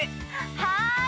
はい！